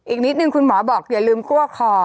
อีกนิดนึงคุณหมอบอกอย่าลืมคั่วคอ